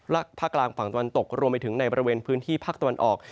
ภาคกลางฝั่งตะวันตกรวมไปถึงในบริเวณพื้นที่ภาคตะวันออก